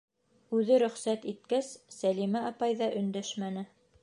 Үҙе рөхсәт иткәс, Сәлимә апай ҙа өндәшмәне.